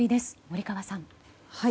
森川さん。